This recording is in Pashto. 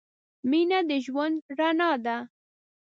مینه د ژوند رڼا ده.